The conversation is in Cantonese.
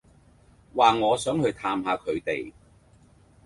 話我想去探吓佢哋